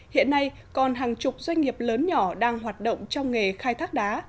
hiện nay còn hàng chục doanh nghiệp lớn nhỏ đang hoạt động trong nghề khai thác đá